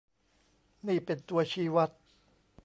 นี่เป็นตัวชี้วัด